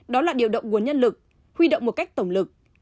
đó là điều động nguồn nhân lực huy động một cách tổng lực